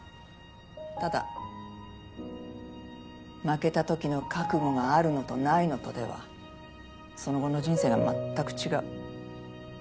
ただ負けたときの覚悟があるのとないのとではその後の人生が全く違う。